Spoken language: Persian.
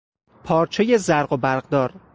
پارچهی زرق و برقدار